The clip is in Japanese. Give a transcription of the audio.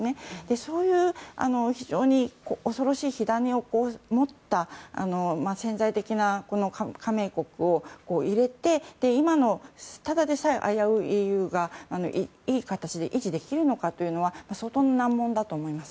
そういう非常に恐ろしい火種を持った潜在的な加盟国を入れて今の、ただでさえ危ういＥＵがいい形で維持できるのかというのは相当難問だと思います。